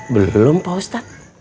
belum pak ustadz